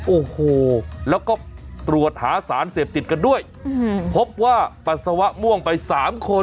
โอ้โหแล้วก็ตรวจหาสารเสพติดกันด้วยพบว่าปัสสาวะม่วงไป๓คน